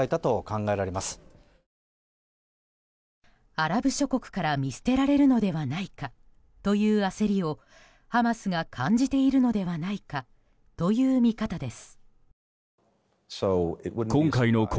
アラブ諸国から見捨てられるのではないかという焦りをハマスが感じているのではないかという見方です。